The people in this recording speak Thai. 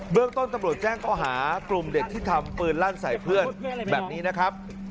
เรื่องต้นตำรวจแจ้งข้อหากลุ่มเด็กที่ทำปืนลั่นใส่เพื่อนแบบนี้นะครับ